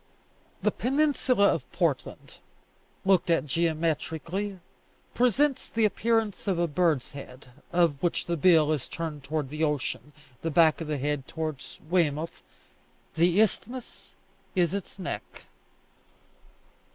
The peninsula of Portland, looked at geometrically, presents the appearance of a bird's head, of which the bill is turned towards the ocean, the back of the head towards Weymouth; the isthmus is its neck.